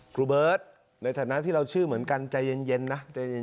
ครูเบิร์ตในฐานะที่เราชื่อเหมือนกันใจเย็นนะใจเย็น